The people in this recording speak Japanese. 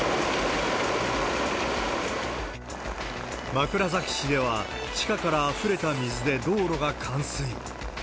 枕崎市では地下からあふれた水で道路が冠水。